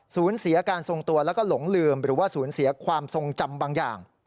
สูญเสียการทรงตัวแล้วก็หลงลืมหรือว่าสูญเสียความทรงจำบางอย่าง